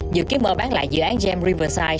dự kiến mở bán lại dự án gem riverside